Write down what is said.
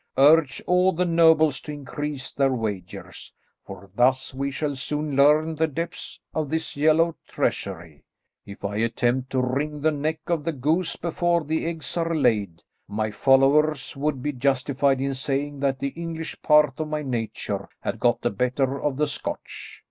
Urge all the nobles to increase their wagers; for thus we shall soon learn the depths of this yellow treasury. If I attempt to wring the neck of the goose before the eggs are laid, my followers would be justified in saying that the English part of my nature had got the better of the Scotch.